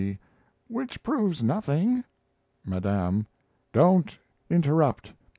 C.' Which proves nothing. 'Madame.' Don't interrupt.